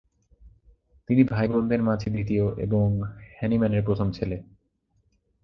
তিনি ভাই বোনদের মাঝে দ্বিতীয় এবং হ্যানিম্যানের প্রথম ছেলে।